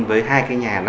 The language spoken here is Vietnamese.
với hai cái nhà